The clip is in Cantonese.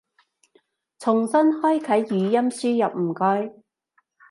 重新開啟語音輸入唔該